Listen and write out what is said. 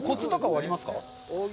なんかコツとかはありますか？